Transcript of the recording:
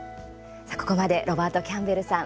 ここまでロバート・キャンベルさん